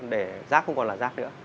để rác không còn là rác nữa